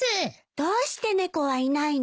どうして猫はいないの？